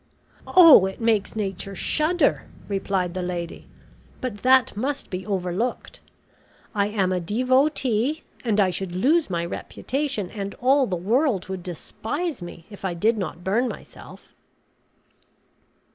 "Oh! it makes nature shudder," replied the lady, "but that must be overlooked. I am a devotee, and I should lose my reputation and all the world would despise me if I did not burn myself."